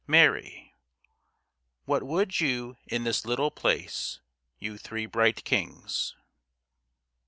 MARY What would you in this little place, You three bright kings?